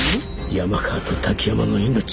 山川と滝山の命を。